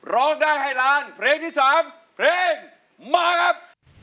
ร้องได้ให้ล้านเพลงที่๓เพลงมาครับ